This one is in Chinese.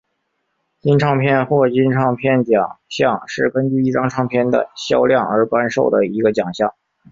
金唱片或金唱片奖项是根据一张唱片的销量而颁授的一个奖项。